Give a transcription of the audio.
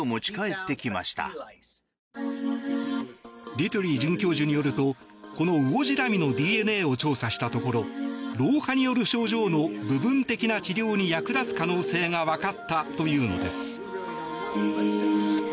ディトゥリ准教授によるとこのウオジラミのＤＮＡを調査したところ老化による症状の部分的な治療に役立つ可能性が分かったというのです。